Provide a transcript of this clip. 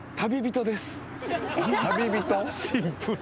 シンプル。